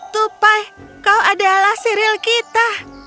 tupai kau adalah siril kita